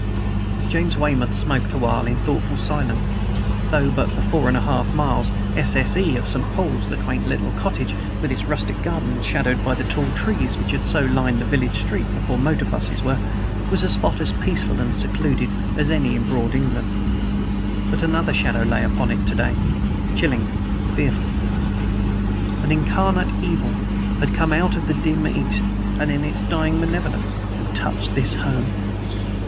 James Weymouth smoked awhile in thoughtful silence. Though but four and a half miles S.S.E. of St. Paul's the quaint little cottage, with its rustic garden, shadowed by the tall trees which had so lined the village street before motor 'buses were, was a spot as peaceful and secluded as any in broad England. But another shadow lay upon it to day chilling, fearful. An incarnate evil had come out of the dim East and in its dying malevolence had touched this home.